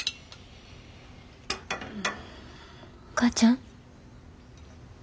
お母ちゃん？